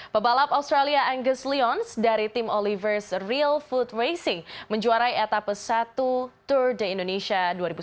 pebalap australia angus leons dari tim olivers real food racing menjuarai etapa satu tour de indonesia dua ribu sembilan belas